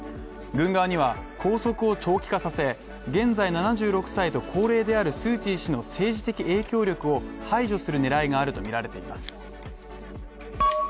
軍側には拘束を長期化させ、現在７６歳と高齢であるスー・チー氏の政治的影響力を排除する狙いがあるとみられています。